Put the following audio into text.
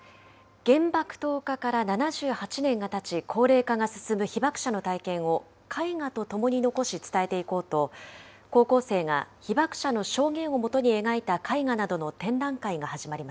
原爆投下から７８年がたち、高齢化が進む被爆者の体験を絵画とともに残し伝えていこうと、高校生が被爆者の証言をもとに描いた絵画などの展覧会が始まり